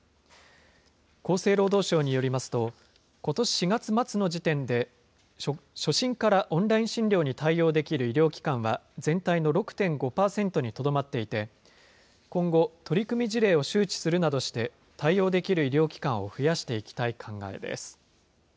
厚生労働省によりますと、今年４月末の時点で、初診からオンライン診療に対応できる医療機関は、全体の６．５％にとどまっていて、今後、取り組み事例を周知するなどして、対応できる医療機関を増やしてい